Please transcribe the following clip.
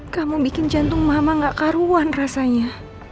kamu bikin jantung mama gak karuan rasanya